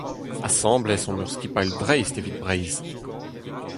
Asambles omp ur skipailh dreist evit Breizh.